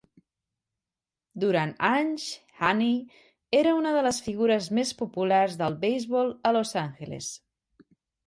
Durant anys, Haney era una de les figures més populars del beisbol a Los Angeles.